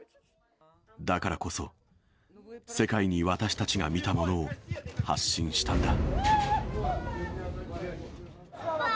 だからこそ、世界に私たちが見たものを発信したんだ。